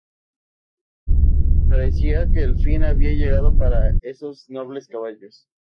Parecía que el fin había llegado para esos nobles caballos.